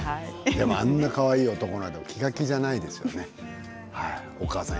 あんなかわいい子、気が気じゃないですよね。